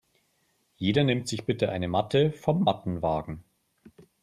Jeder nimmt sich bitte eine Matte vom Mattenwagen.